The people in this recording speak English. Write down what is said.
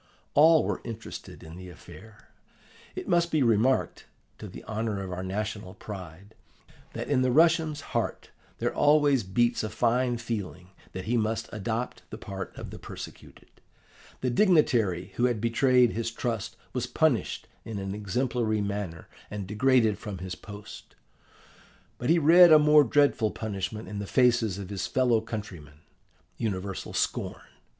All were interested in the affair. It must be remarked, to the honour of our national pride, that in the Russian's heart there always beats a fine feeling that he must adopt the part of the persecuted. The dignitary who had betrayed his trust was punished in an exemplary manner and degraded from his post. But he read a more dreadful punishment in the faces of his fellow countrymen: universal scorn.